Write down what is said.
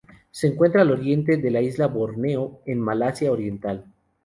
Se encuentra al oriente de la isla de Borneo, en Malasia Oriental.